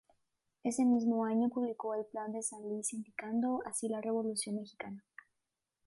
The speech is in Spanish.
Ese mismo año publicó el Plan de San Luis iniciando así la Revolución mexicana.